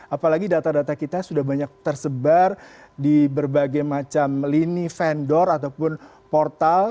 apalagi data data kita sudah banyak tersebar di berbagai macam lini vendor ataupun portal